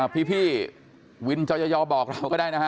พี่วินจอยอบอกเราก็ได้นะฮะ